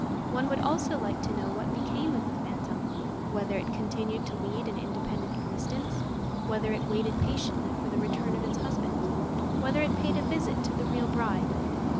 One would also like to know what became of the phantom, whether it continued to lead an independent existence; whether it waited patiently for the return of its husband; whether it paid a visit to the real bride.